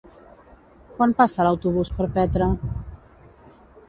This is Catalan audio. Quan passa l'autobús per Petra?